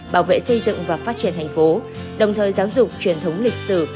bảo vệ xây dựng và phát triển thành phố đồng thời giáo dục truyền thống lịch sử